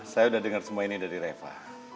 saya sudah dengar semua ini dari reva